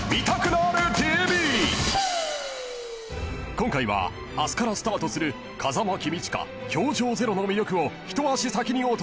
［今回は明日からスタートする『風間公親教場０』の魅力を一足先にお届けします］